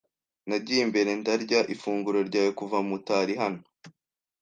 Nagiye imbere ndarya ifunguro ryawe kuva mutari hano.